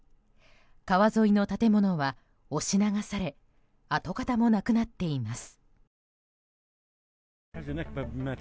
川沿いの建物は押し流され跡形もなくなっています。